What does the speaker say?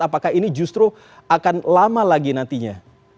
apakah ini justru akan lama lagi nantinya